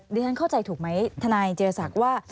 ดิฉันเข้าใจถูกไหมทนายเจียสักว่า